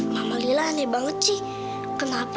lu lihat anak kecil gak